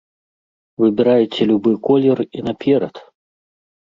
Выбірайце любы колер і наперад!